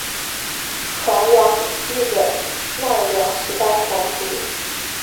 船王日本奈良时代皇族。